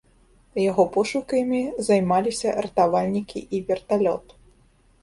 Яго пошукамі займаліся ратавальнікі і верталёт.